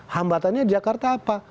hambatannya jakarta apa